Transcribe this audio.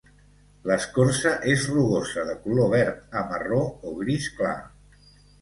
L'escorça és rugosa de color verd a marró o gris clar.